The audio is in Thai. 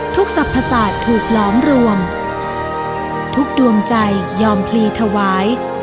ทุกศัพท์ภาษาถูกล้อมรวมทุกดวงใจยอมพลีถวาย